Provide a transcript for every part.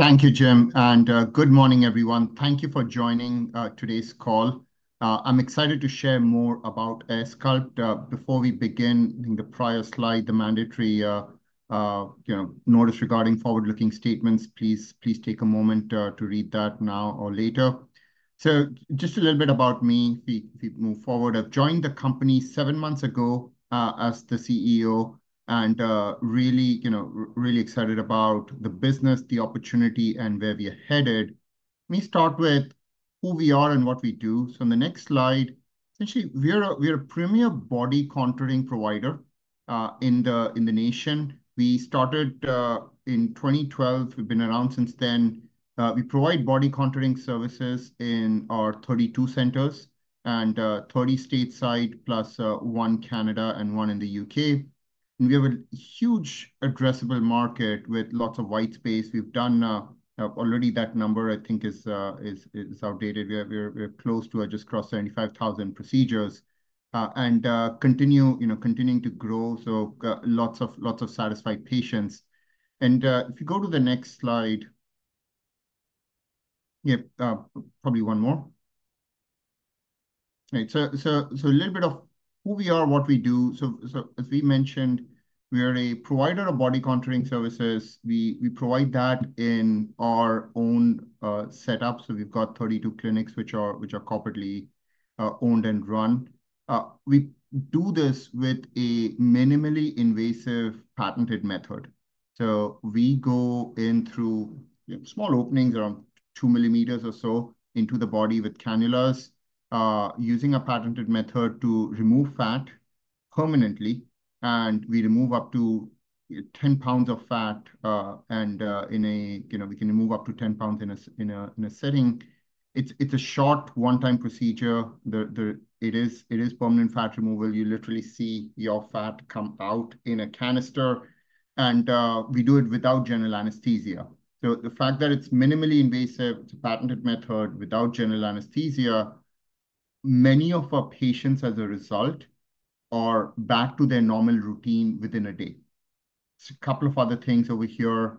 Thank you, Jim, and good morning, everyone. Thank you for joining today's call. I'm excited to share more about AirSculpt. Before we begin, in the prior slide, the mandatory notice regarding forward-looking statements, please take a moment to read that now or later. Just a little bit about me, the move forward. I've joined the company seven months ago as the CEO and really excited about the business, the opportunity, and where we are headed. Let me start with who we are and what we do. On the next slide, essentially, we are a premier body contouring provider in the nation. We started in 2012. We've been around since then. We provide body contouring services in our 32 centers, 30 stateside, plus one in Canada and one in the U.K. We have a huge addressable market with lots of white space. We've done already that number. I think it's outdated. We're close to, I just crossed 75,000 procedures and continuing to grow. Lots of satisfied patients. If you go to the next slide, probably one more. Right. A little bit of who we are, what we do. As we mentioned, we are a provider of body contouring services. We provide that in our own setup. We've got 32 clinics, which are corporately owned and run. We do this with a minimally invasive patented method. We go in through small openings around 2 mm or so into the body with cannulas using a patented method to remove fat permanently. We remove up to 10 lbs of fat. We can remove up to 10 lbs in a sitting. It's a short one-time procedure. It is permanent fat removal. You literally see your fat come out in a canister. We do it without general anesthesia. The fact that it's minimally invasive, it's a patented method without general anesthesia, many of our patients, as a result, are back to their normal routine within a day. Just a couple of other things over here.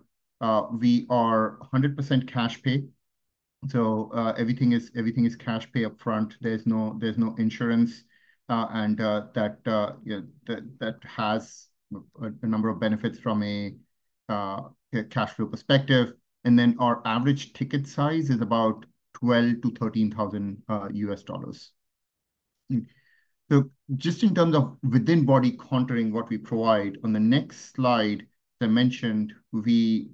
We are 100% cash pay. Everything is cash pay upfront. There's no insurance. That has a number of benefits from a cash flow perspective. Our average ticket size is about $12,000-$13,000. Just in terms of within body contouring, what we provide, on the next slide, as I mentioned, we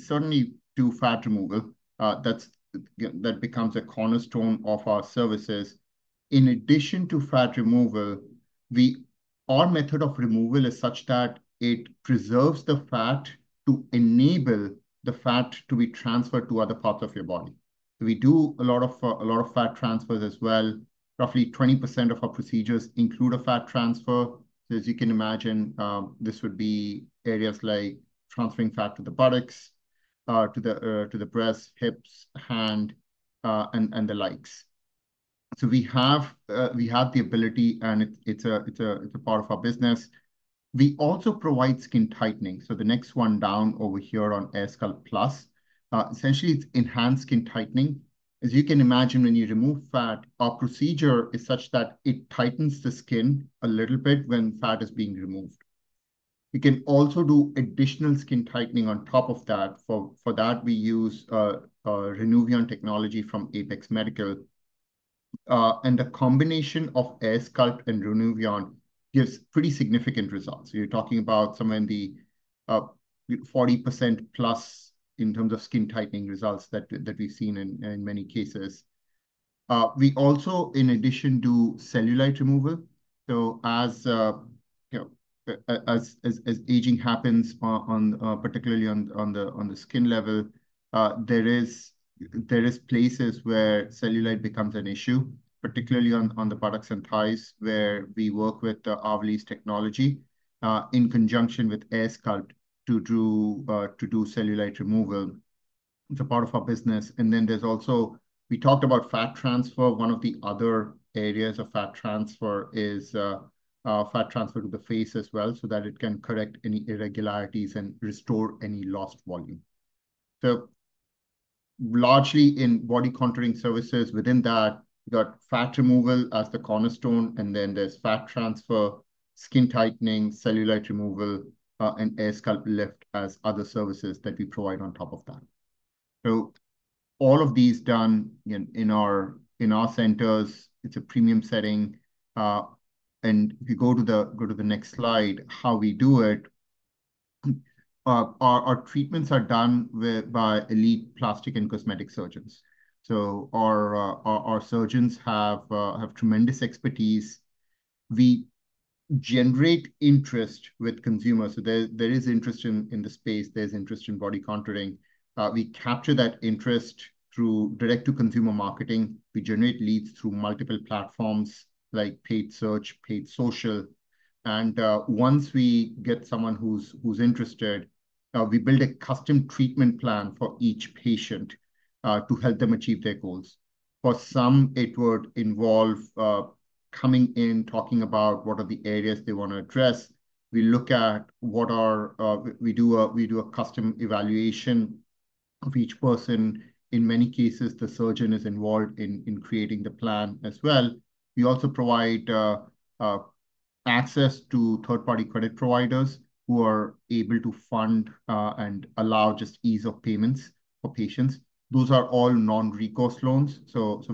certainly do fat removal. That becomes a cornerstone of our services. In addition to fat removal, our method of removal is such that it preserves the fat to enable the fat to be transferred to other parts of your body. We do a lot of fat transfers as well. Roughly 20% of our procedures include a fat transfer. As you can imagine, this would be areas like transferring fat to the buttocks, to the breast, hips, hand, and the legs. We have the ability, and it's a part of our business. We also provide skin tightening. The next one down over here on AirSculpt Plus, essentially, it's enhanced skin tightening. As you can imagine, when you remove fat, our procedure is such that it tightens the skin a little bit when fat is being removed. You can also do additional skin tightening on top of that. For that, we use Renuvion technology from Apex Medical. The combination of AirSculpt and Renuvion gives pretty significant results. You're talking about somewhere in the 40%+ in terms of skin tightening results that we've seen in many cases. In addition, we do cellulite removal. As aging happens, particularly on the skin level, there are places where cellulite becomes an issue, particularly on the buttocks and thighs, where we work with the Ovalease technology in conjunction with AirSculpt to do cellulite removal. It's a part of our business. We talked about fat transfer. One of the other areas of fat transfer is fat transfer to the face as well so that it can correct any irregularities and restore any lost volume. Largely in body contouring services, within that, you've got fat removal as the cornerstone, and then there's fat transfer, skin tightening, cellulite removal, and AirSculpt Lift as other services that we provide on top of that. All of these done in our centers. It's a premium setting. If you go to the next slide, how we do it, our treatments are done by elite plastic and cosmetic surgeons. Our surgeons have tremendous expertise. We generate interest with consumers. There is interest in the space. There's interest in body contouring. We capture that interest through direct-to-consumer marketing. We generate leads through multiple platforms like paid search, paid social. Once we get someone who's interested, we build a custom treatment plan for each patient to help them achieve their goals. For some, it would involve coming in, talking about what are the areas they want to address. We look at what are, we do a custom evaluation of each person. In many cases, the surgeon is involved in creating the plan as well. We also provide access to third-party credit providers who are able to fund and allow just ease of payments for patients. Those are all non-recourse loans.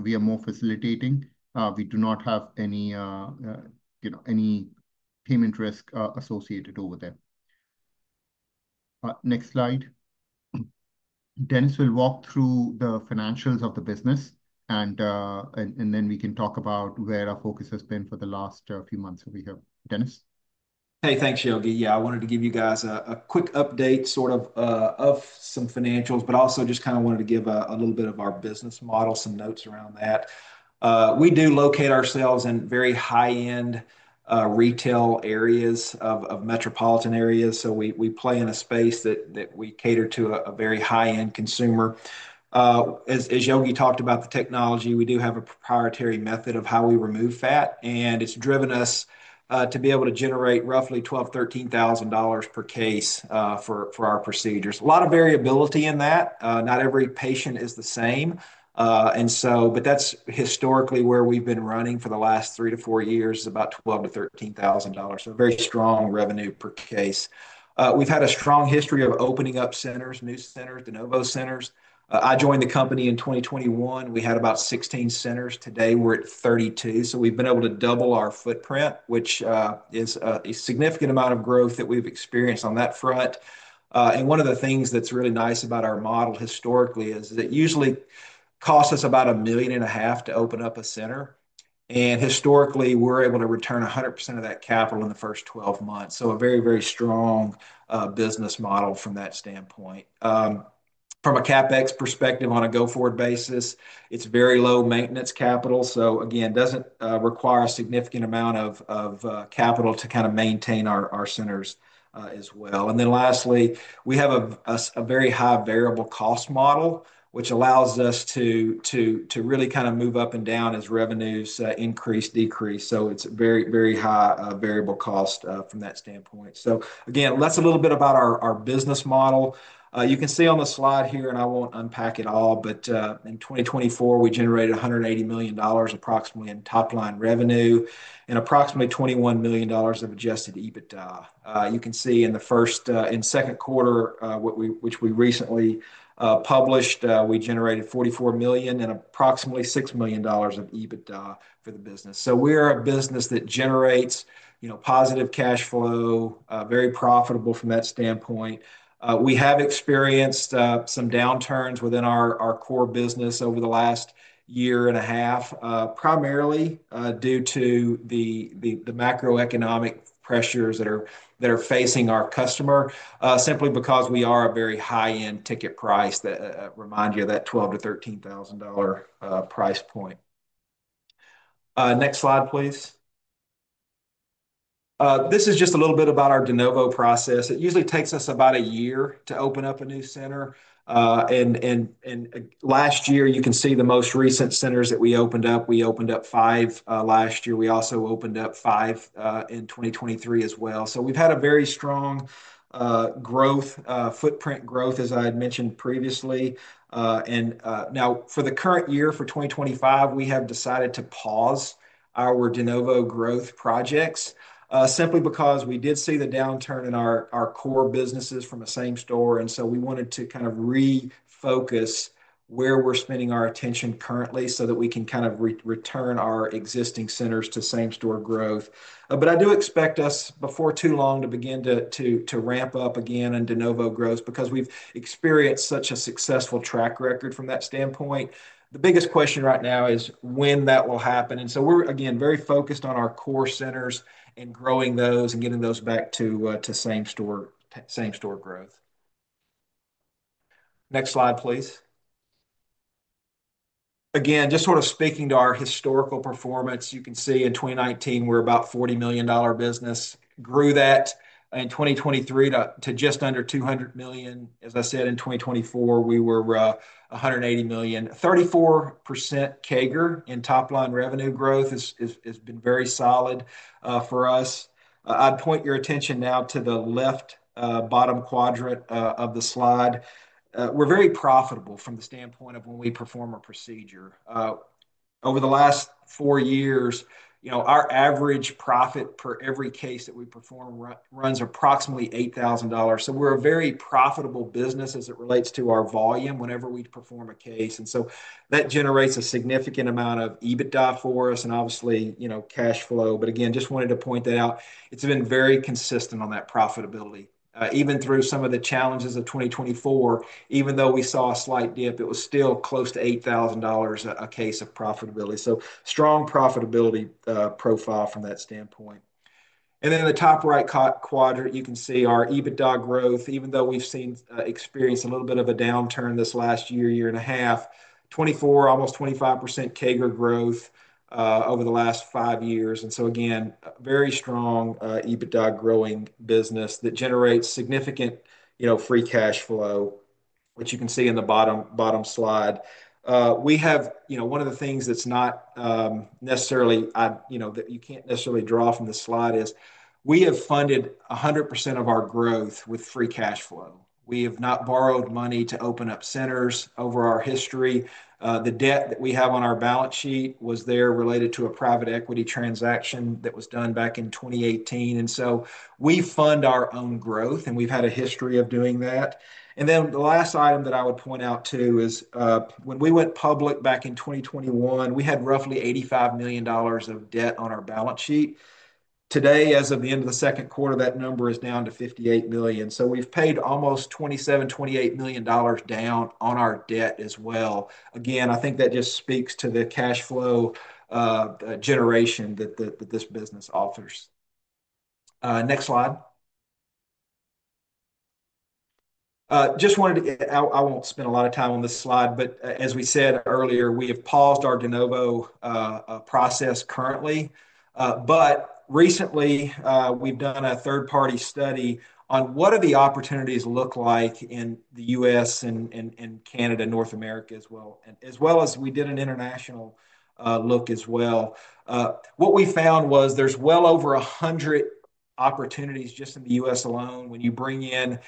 We are more facilitating. We do not have any payment risk associated over them. Next slide. Dennis will walk through the financials of the business, and then we can talk about where our focus has been for the last few months over here. Dennis? Hey, thanks, Yogi. Yeah, I wanted to give you guys a quick update of some financials, but also just kind of wanted to give a little bit of our business model, some notes around that. We do locate ourselves in very high-end retail areas of metropolitan areas. We play in a space that we cater to a very high-end consumer. As Yogi talked about the technology, we do have a proprietary method of how we remove fat, and it's driven us to be able to generate roughly $12,000, $13,000 per case for our procedures. A lot of variability in that. Not every patient is the same. That's historically where we've been running for the last three to four years is about $12,000-$13,000. A very strong revenue per case. We've had a strong history of opening up centers, new centers, de novo centers. I joined the company in 2021. We had about 16 centers. Today, we're at 32. We've been able to double our footprint, which is a significant amount of growth that we've experienced on that front. One of the things that's really nice about our model historically is that it usually costs us about $1.5 million to open up a center. Historically, we're able to return 100% of that capital in the first 12 months. A very, very strong business model from that standpoint. From a CapEx perspective on a go-forward basis, it's very low maintenance capital. It doesn't require a significant amount of capital to kind of maintain our centers as well. Lastly, we have a very high variable cost model, which allows us to really kind of move up and down as revenues increase, decrease. It's a very, very high variable cost from that standpoint. That's a little bit about our business model. You can see on the slide here, and I won't unpack it all, but in 2024, we generated approximately $180 million in top-line revenue and approximately $21 million of adjusted EBITDA. You can see in the first and second quarter, which we recently published, we generated $44 million and approximately $6 million of EBITDA for the business. We're a business that generates positive cash flow, very profitable from that standpoint. We have experienced some downturns within our core business over the last year and a half, primarily due to the macroeconomic pressures that are facing our customer, simply because we are a very high-end ticket price that reminds you of that $12,000-$13,000 price point. Next slide, please. This is just a little bit about our de novo process. It usually takes us about a year to open up a new center. Last year, you can see the most recent centers that we opened up. We opened up five last year. We also opened up five in 2023 as well. We've had a very strong footprint growth, as I had mentioned previously. For the current year, for 2025, we have decided to pause our de novo growth projects simply because we did see the downturn in our core businesses from a same-store. We wanted to kind of refocus where we're spending our attention currently so that we can kind of return our existing centers to same-store growth. I do expect us before too long to begin to ramp up again in de novo growth because we've experienced such a successful track record from that standpoint. The biggest question right now is when that will happen. We're, again, very focused on our core centers and growing those and getting those back to same-store growth. Next slide, please. Again, just sort of speaking to our historical performance, you can see in 2019, we're about a $40 million business. Grew that in 2023 to just under $200 million. As I said, in 2024, we were $180 million. 34% CAGR in top-line revenue growth has been very solid for us. I'd point your attention now to the left bottom quadrant of the slide. We're very profitable from the standpoint of when we perform a procedure. Over the last four years, our average profit per every case that we perform runs approximately $8,000. We're a very profitable business as it relates to our volume whenever we perform a case. That generates a significant amount of EBITDA for us and obviously, you know, cash flow. I just wanted to point that out. It's been very consistent on that profitability. Even through some of the challenges of 2024, even though we saw a slight dip, it was still close to $8,000 a case of profitability. Strong profitability profile from that standpoint. In the top right quadrant, you can see our EBITDA growth, even though we've experienced a little bit of a downturn this last year, year and a half, almost 25% CAGR growth over the last five years. Again, very strong EBITDA growing business that generates significant free cash flow, which you can see in the bottom slide. We have, you know, one of the things that's not necessarily, you know, that you can't necessarily draw from this slide is we have funded 100% of our growth with free cash flow. We have not borrowed money to open up centers over our history. The debt that we have on our balance sheet was there related to a private equity transaction that was done back in 2018. We fund our own growth, and we've had a history of doing that. The last item that I would point out too is when we went public back in 2021, we had roughly $85 million of debt on our balance sheet. Today, as of the end of the second quarter, that number is down to $58 million. We've paid almost $27 million, $28 million down on our debt as well. I think that just speaks to the cash flow generation that this business offers. Next slide. I won't spend a lot of time on this slide, but as we said earlier, we have paused our de novo process currently. Recently, we've done a third-party study on what do the opportunities look like in the U.S. and Canada and North America as well, as well as we did an international look as well. What we found was there's well over 100 opportunities just in the U.S. alone. When you bring in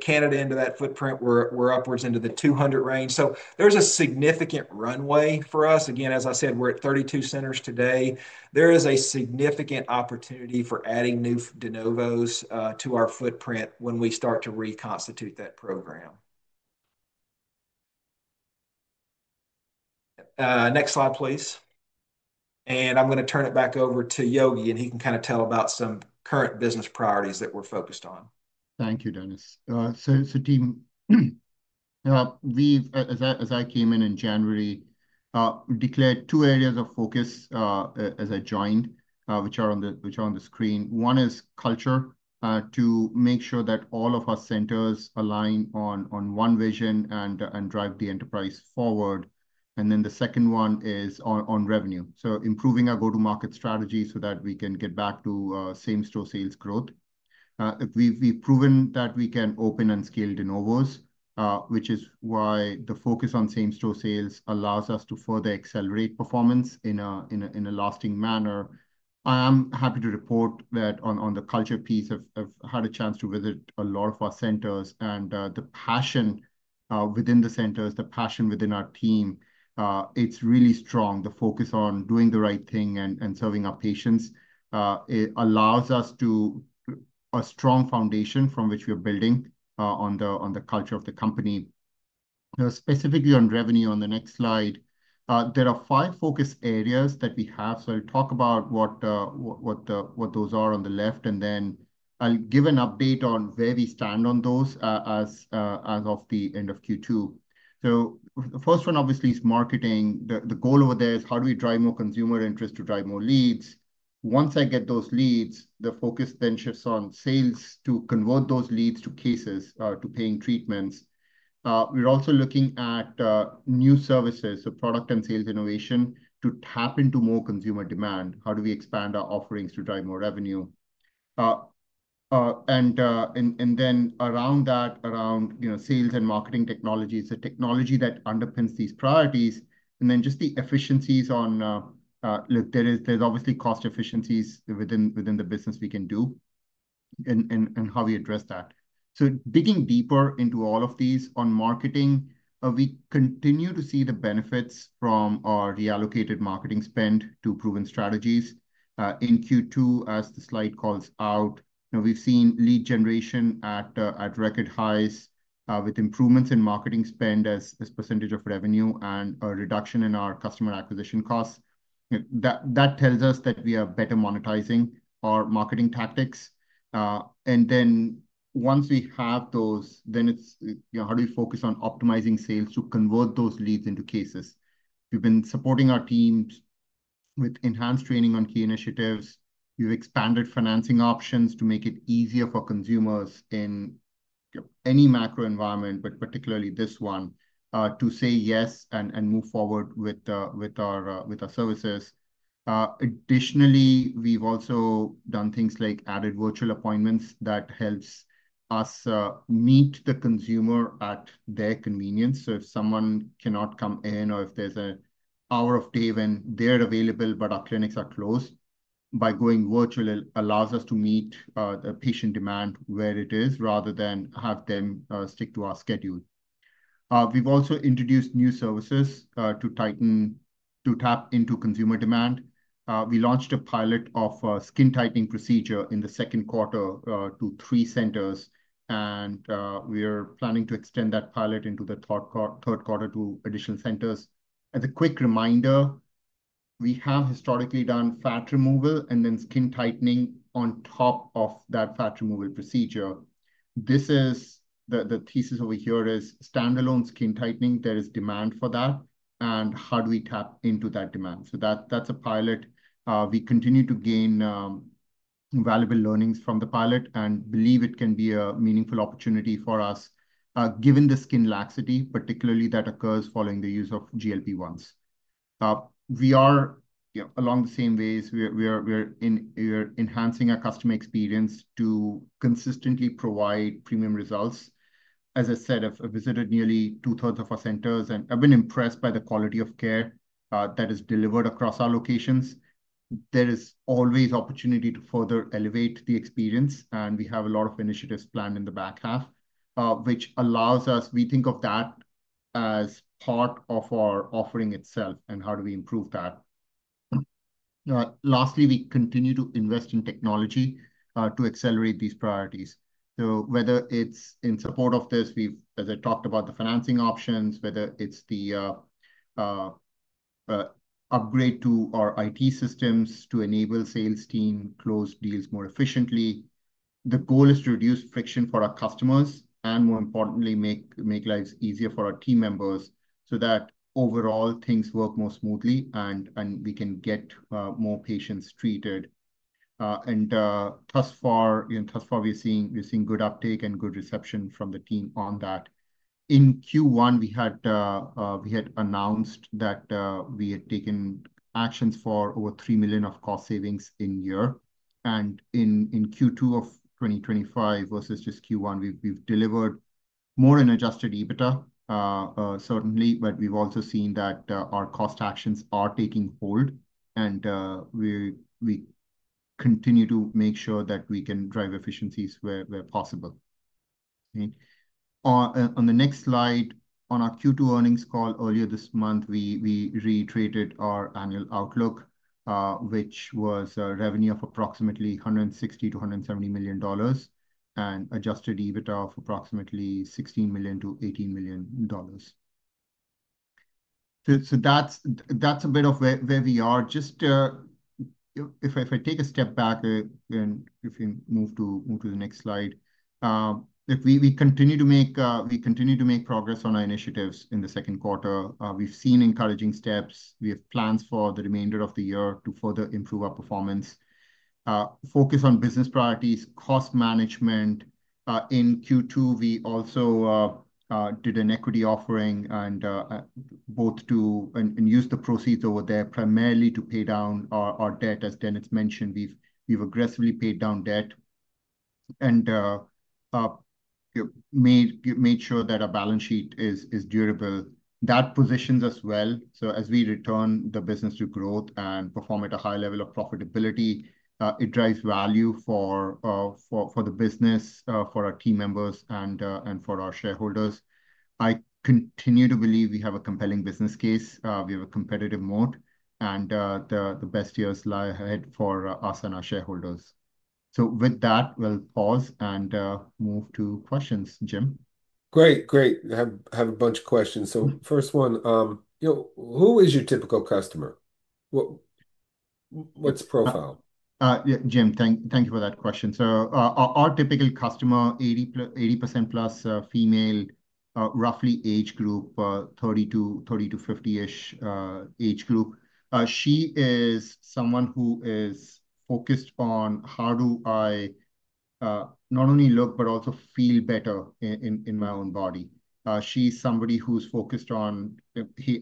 Canada into that footprint, we're upwards into the 200 range. There's a significant runway for us. As I said, we're at 32 centers today. There is a significant opportunity for adding new de novos to our footprint when we start to reconstitute that program. Next slide, please. I'm going to turn it back over to Yogi, and he can kind of tell about some current business priorities that we're focused on. Thank you, Dennis. As I came in in January, we declared two areas of focus as I joined, which are on the screen. One is culture to make sure that all of our centers align on one vision and drive the enterprise forward. The second one is on revenue. Improving our go-to-market strategy so that we can get back to same-store sales growth. We've proven that we can open and scale de novo center openings, which is why the focus on same-store sales allows us to further accelerate performance in a lasting manner. I am happy to report that on the culture piece, I've had a chance to visit a lot of our centers, and the passion within the centers, the passion within our team, it's really strong. The focus on doing the right thing and serving our patients allows us to have a strong foundation from which we are building on the culture of the company. Specifically on revenue, on the next slide, there are five focus areas that we have. I'll talk about what those are on the left, and then I'll give an update on where we stand on those as of the end of Q2. The first one obviously is marketing. The goal over there is how do we drive more consumer interest to drive more leads? Once I get those leads, the focus then shifts on sales to convert those leads to cases, to paying treatments. We're also looking at new services, so product and sales innovation to tap into more consumer demand. How do we expand our offerings to drive more revenue? Around that, around sales and marketing technology, it's a technology that underpins these priorities. There are cost efficiencies within the business we can do and how we address that. Digging deeper into all of these, on marketing, we continue to see the benefits from our reallocated marketing spend to proven strategies. In Q2, as the slide calls out, we've seen lead generation at record highs with improvements in marketing spend as this percentage of revenue and a reduction in our customer acquisition costs. That tells us that we are better monetizing our marketing tactics. Once we have those, it's how do we focus on optimizing sales to convert those leads into cases? We've been supporting our teams with enhanced training on key initiatives. We've expanded financing options to make it easier for consumers in any macroeconomic environment, but particularly this one, to say yes and move forward with our services. Additionally, we've also done things like added virtual appointments that help us meet the consumer at their convenience. If someone cannot come in or if there's an hour of day when they're available but our clinics are closed, by going virtual, it allows us to meet the patient demand where it is rather than have them stick to our schedule. We've also introduced new services to tap into consumer demand. We launched a pilot of a skin tightening procedure in the second quarter to three centers, and we are planning to extend that pilot into the third quarter to additional centers. As a quick reminder, we have historically done fat removal and then skin tightening on top of that fat removal procedure. The thesis over here is standalone skin tightening. There is demand for that, and how do we tap into that demand? That's a pilot. We continue to gain valuable learnings from the pilot and believe it can be a meaningful opportunity for us given the skin laxity, particularly that occurs following the use of GLP-1 medications. We are along the same ways. We're enhancing our customer experience to consistently provide premium results. As I said, I've visited nearly 2/3 of our centers, and I've been impressed by the quality of care that is delivered across our locations. There is always opportunity to further elevate the experience, and we have a lot of initiatives planned in the back half, which allows us, we think of that as part of our offering itself, and how do we improve that? Lastly, we continue to invest in technology to accelerate these priorities. Whether it's in support of this, as I talked about, the financing options, whether it's the upgrade to our IT systems to enable sales team close deals more efficiently, the goal is to reduce friction for our customers and, more importantly, make lives easier for our team members so that overall things work more smoothly and we can get more patients treated. Thus far, we're seeing good uptake and good reception from the team on that. In Q1, we had announced that we had taken actions for over $3 million of cost savings in a year. In Q2 of 2025 versus just Q1, we've delivered more in adjusted EBITDA, certainly, but we've also seen that our cost actions are taking hold, and we continue to make sure that we can drive efficiencies where possible. On the next slide, on our Q2 earnings call earlier this month, we re-traded our annual outlook, which was a revenue of approximately $160 million-$170 million and adjusted EBITDA of approximately $16 million-$18 million. That's a bit of where we are. If I take a step back, if you move to the next slide, we continue to make progress on our initiatives in the second quarter. We've seen encouraging steps. We have plans for the remainder of the year to further improve our performance and focus on business priorities and cost management. In Q2, we also did an equity offering to use the proceeds primarily to pay down our debt. As Dennis mentioned, we've aggressively paid down debt and made sure that our balance sheet is durable. That positions us well. As we return the business to growth and perform at a high level of profitability, it drives value for the business, for our team members, and for our shareholders. I continue to believe we have a compelling business case. We have a competitive moat, and the best years lie ahead for us and our shareholders. With that, we'll pause and move to questions, Jim. Great, great. I have a bunch of questions. First one, you know, who is your typical customer? What's the profile? Yeah, Jim, thank you for that question. Our typical customer is 80%+ female, roughly age group 30-50-ish. She is someone who is focused on how do I not only look but also feel better in my own body. She's somebody who's focused on,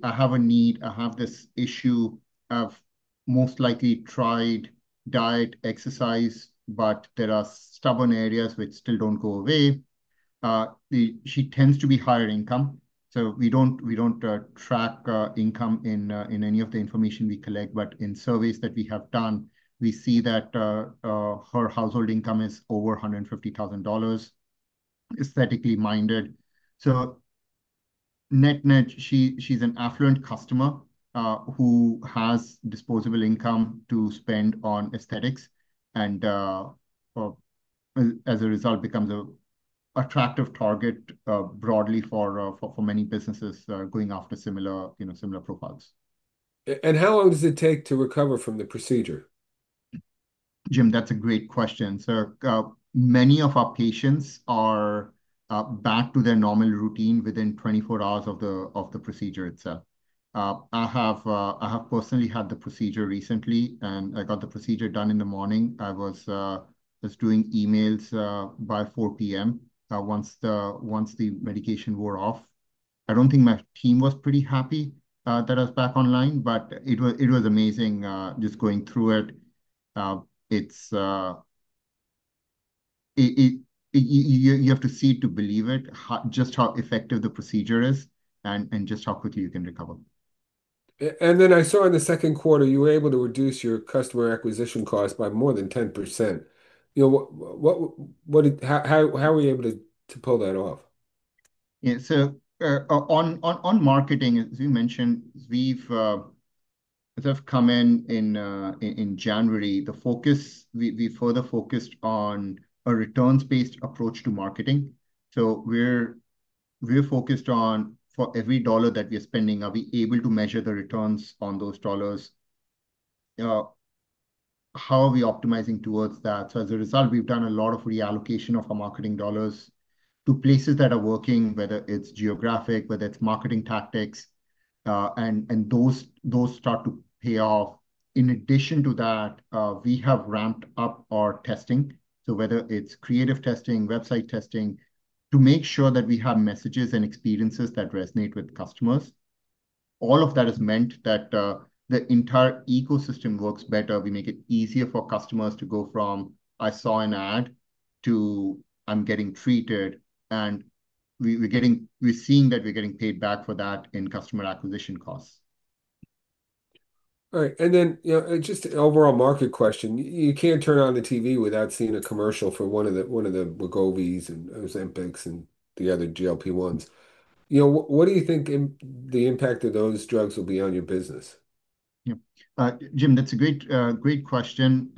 I have a need, I have this issue. I've most likely tried diet, exercise, but there are stubborn areas which still don't go away. She tends to be higher income. We don't track income in any of the information we collect, but in surveys that we have done, we see that her household income is over $150,000, aesthetically minded. Net-net, she's an affluent customer who has disposable income to spend on aesthetics, and as a result, becomes an attractive target broadly for many businesses going after similar profiles. How long does it take to recover from the procedure? Jim, that's a great question. Many of our patients are back to their normal routine within 24 hours of the procedure itself. I have personally had the procedure recently, and I got the procedure done in the morning. I was doing emails by 4:00 P.M. once the medication wore off. I don't think my team was pretty happy that I was back online, but it was amazing just going through it. You have to see it to believe it, just how effective the procedure is, and just how quickly you can recover. I saw in the second quarter, you were able to reduce your customer acquisition cost by more than 10%. How were you able to pull that off? Yeah, on marketing, as you mentioned, as I've come in in January, the focus, we further focused on a returns-based approach to marketing. We're focused on for every dollar that we're spending, are we able to measure the returns on those dollars? How are we optimizing towards that? As a result, we've done a lot of reallocation of our marketing dollars to places that are working, whether it's geographic, whether it's marketing tactics, and those start to pay off. In addition to that, we have ramped up our testing, whether it's creative testing, website testing, to make sure that we have messages and experiences that resonate with customers. All of that has meant that the entire ecosystem works better. We make it easier for customers to go from, "I saw an ad," to, "I'm getting treated." We're seeing that we're getting paid back for that in customer acquisition costs. All right. Just an overall market question. You can't turn on the TV without seeing a commercial for one of the Wegovy and Ozempic and the other GLP-1s. What do you think the impact of those drugs will be on your business? Jim, that's a great question.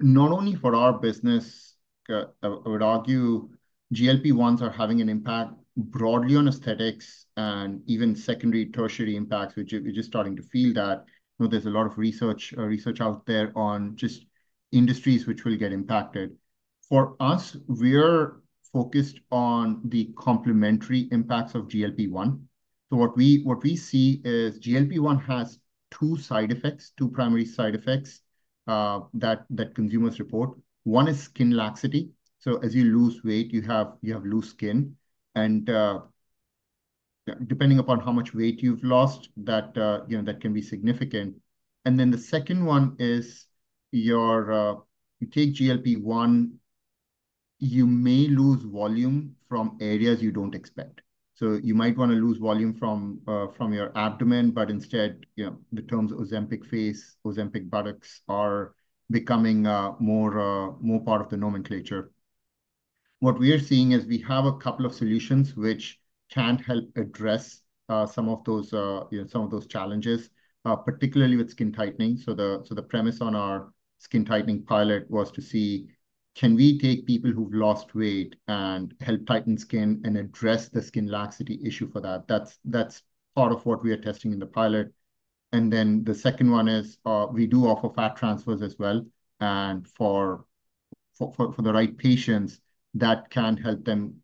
Not only for our business, I would argue GLP-1s are having an impact broadly on aesthetics and even secondary, tertiary impacts, which you're just starting to feel. There's a lot of research out there on just industries which will get impacted. For us, we're focused on the complementary impacts of GLP-1. What we see is GLP-1 has two side effects, two primary side effects that consumers report. One is skin laxity. As you lose weight, you have loose skin, and depending upon how much weight you've lost, that can be significant. The second one is you take GLP-1, you may lose volume from areas you don't expect. You might want to lose volume from your abdomen, but instead, the terms Ozempic face, Ozempic buttocks are becoming more part of the nomenclature. What we are seeing is we have a couple of solutions which can help address some of those challenges, particularly with skin tightening. The premise on our skin tightening pilot was to see, can we take people who've lost weight and help tighten skin and address the skin laxity issue for that? That's part of what we are testing in the pilot. The second one is we do offer fat transfers as well, and for the right patients, that can help them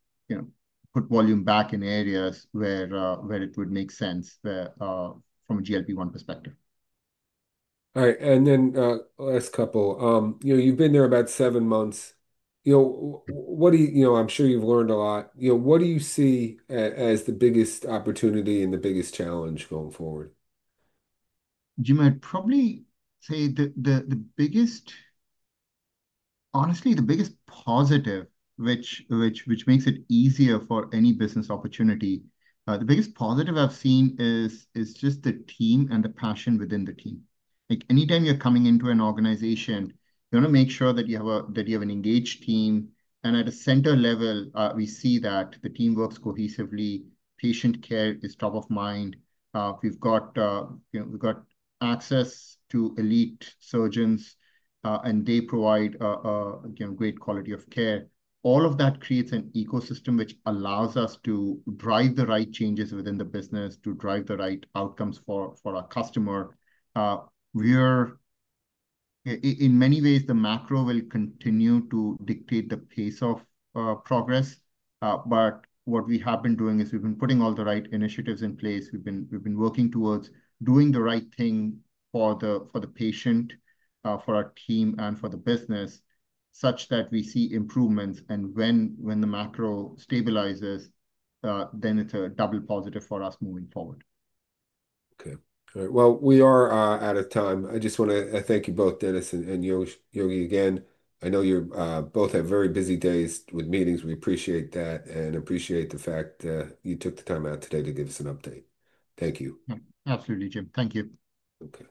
put volume back in areas where it would make sense from a GLP-1 perspective. All right. Last couple, you've been there about seven months. I'm sure you've learned a lot. What do you see as the biggest opportunity and the biggest challenge going forward? Jim, I'd probably say the biggest, honestly, the biggest positive, which makes it easier for any business opportunity. The biggest positive I've seen is just the team and the passion within the team. Anytime you're coming into an organization, you want to make sure that you have an engaged team. At a center level, we see that the team works cohesively. Patient care is top of mind. We've got access to elite surgeons, and they provide a great quality of care. All of that creates an ecosystem which allows us to drive the right changes within the business, to drive the right outcomes for our customer. In many ways, the macro will continue to dictate the pace of progress. What we have been doing is we've been putting all the right initiatives in place. We've been working towards doing the right thing for the patient, for our team, and for the business such that we see improvements. When the macro stabilizes, then it's a double positive for us moving forward. Okay. All right. We are out of time. I just want to thank you both, Dennis and Yogi, again. I know you both have very busy days with meetings. We appreciate that and appreciate the fact that you took the time out today to give us an update. Thank you. Absolutely, Jim. Thank you. Okay.